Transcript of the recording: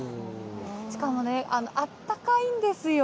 しかもね、あったかいんですよ。